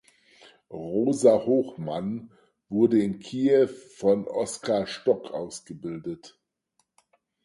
Rosa Hochmann wurde in Kiew von Oskar Stock ausgebildet.